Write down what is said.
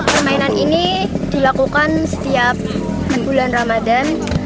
permainan ini dilakukan setiap bulan ramadan